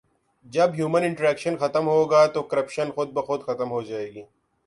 جب human interaction ختم ہوگا تو کرپشن خودبخود ختم ہو جائے گی